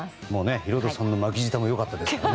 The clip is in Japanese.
ヒロドさんの巻き舌もよかったですね。